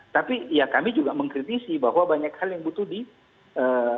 tapi ya kami juga mengkritisi bahwa banyak hal yang butuh di